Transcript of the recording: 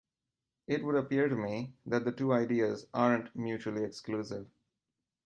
It would appear to me that the two ideas aren't mutually exclusive.